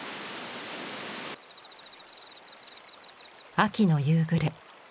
秋の夕暮れ。